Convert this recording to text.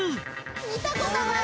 見たことない！